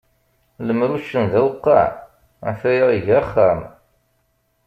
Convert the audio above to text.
Lemmer uccen d aweqqam, a-t-aya iga axxam.